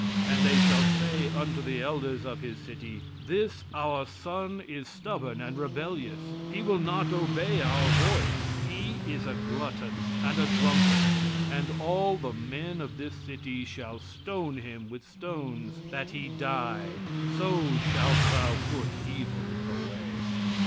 And they shall say unto the elders of his city, 'This, our son, is stubborn and rebellious, he will not obey our voice, he is a glutton and a drunkard.' And all the men of this city shall stone him with stones, that he die, so shalt thou put evil away."